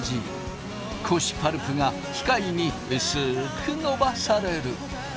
古紙パルプが機械にうすくのばされる。